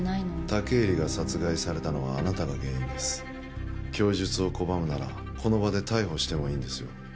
武入が殺害されたのはあなたが原因です供述を拒むならこの場で逮捕してもいいんですよ